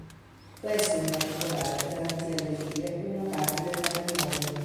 Questo, in particolare, garantì alle figlie una parte del patrimonio.